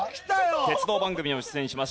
鉄道番組にも出演します